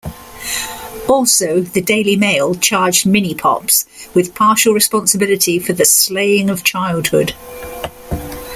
Also, the "Daily Mail" charged "Minipops" with partial responsibility for "the slaying of childhood".